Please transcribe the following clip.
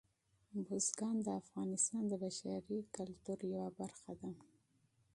بزګان د افغانستان د بشري فرهنګ یوه برخه ده.